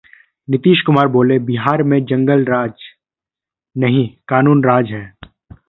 नीतीश कुमार बोले- बिहार में जंगलराज नहीं, कानून का राज है